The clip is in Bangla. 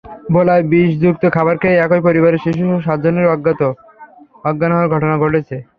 ভোলায় বিষযুক্ত খাবার খেয়ে একই পরিবারের শিশুসহ সাতজনের অজ্ঞান হওয়ার ঘটনা ঘটেছে।